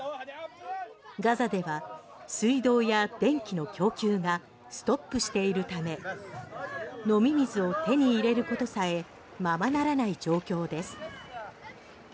ガザでは水道や電気の供給がストップしているため飲み水を手に入れることさえままならない状況です。